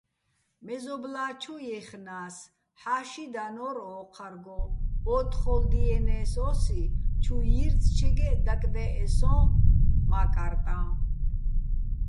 მეზობლა́ჩუ ჲეხნა́ს, ჰ̦ა́ში დანო́რ ოჴარგო, ო́თთხოლ დიენე́ს ო́სი, ჩუ ჲირწჩეგეჸ დაკდე́ჸე სოჼ მა́კარტაჼ.